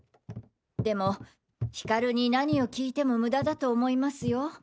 でもヒカルに何を聞いてもムダだと思いますよ。